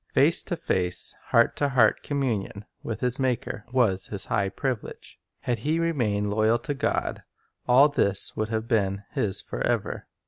Face to face, heart to heart communion with his Maker was his high privilege. Had he remained loyal to God, all this would have been his forever.